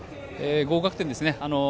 合格点ですね。